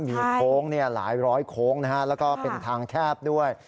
มีโค้งหลายร้อยโค้งแล้วก็เป็นทางแคบด้วย